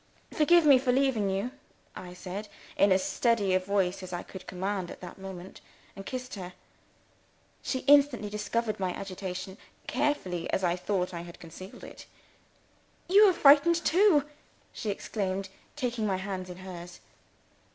"Forgive me for leaving you," I said in as steady a voice as I could command at the moment and kissed her. She instantly discovered my agitation, carefully as I thought I had concealed it. "You are frightened too!" she exclaimed, taking my hands in hers.